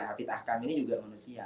hafidh akam ini juga manusia